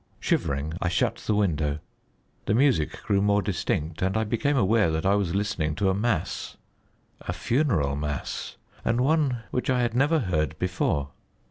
Shivering, I shut the window. The music grew more distinct, and I became aware that I was listening to a mass a funeral mass, and one which I had never heard before.